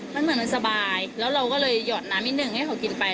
มันเหมือนมันสบายแล้วเราก็เลยหยอดน้ำนิดนึงให้เขากินไป